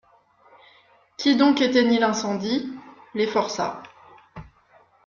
Qui donc éteignit l'incendie ? Les forçats.